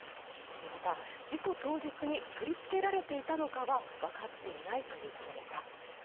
また、事故当日に取りつけられていたのかはわかっていないということでした。